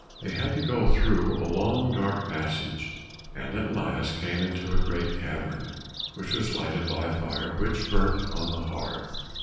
They had to go through a long dark passage, and at last came into a great cavern, which was lighted by a fire which burnt on the hearth.